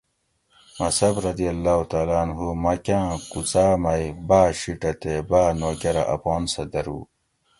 مصعب (رض) مکاۤں کوڅاۤ مئ باۤ شیٹہ تے باۤ نوکرہ اپان سہ درو